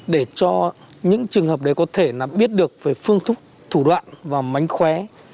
để cho những trường hợp đấy có thể biết được về phương thức thủ đoạn và mánh khóe